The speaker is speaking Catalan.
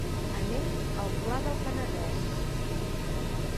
Anem al Pla del Penedès.